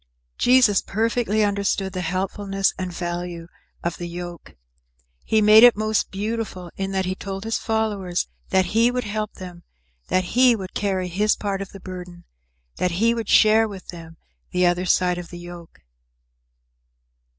Jesus perfectly understood the helpfulness and value of the yoke. He made it most beautiful in that he told his followers that he would help them, that he would carry his part of the burden, that he would share with them the other side of the yoke.